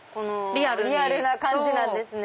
リアルな感じなんですね。